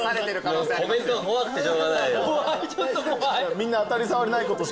みんな当たり障りのないことしか。